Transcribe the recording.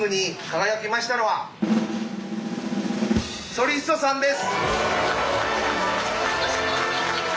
ソリッソさんです。